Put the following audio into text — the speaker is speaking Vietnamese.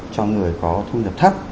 cho người có thu nhập thấp